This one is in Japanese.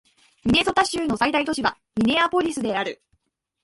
ミネソタ州の最大都市はミネアポリスである